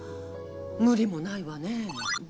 無理もないわね。